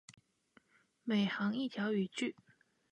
每行一条语句